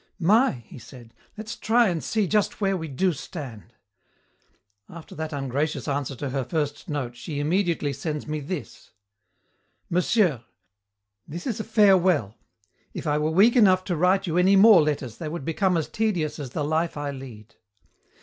"My!" he said, "let's try and see just where we do stand. After that ungracious answer to her first note she immediately sends me this: "'Monsieur, "'This is a farewell. If I were weak enough to write you any more letters they would become as tedious as the life I lead.